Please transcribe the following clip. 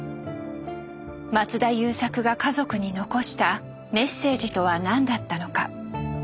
松田優作が家族に残したメッセージとは何だったのか。